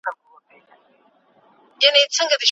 ښځي او نارينه دواړه بايد د خلګو عزت وساتي.